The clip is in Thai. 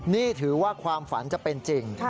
นี่ถือว่าความฝันจะเป็นจริง